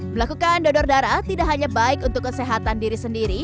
melakukan donor darah tidak hanya baik untuk kesehatan diri sendiri